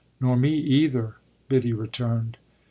"Nor me either," Biddy returned.